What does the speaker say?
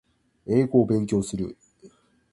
英語を勉強する